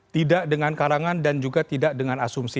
tidak dengan karangan dan juga tidak dengan asumsi